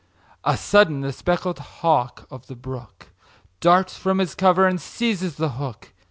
A sudden, the speckled hawk of the brook Darts from his cover and seizes the hook.